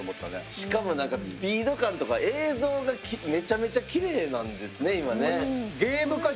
しかもなんかスピード感とか映像がめちゃめちゃきれいなんですね今ね。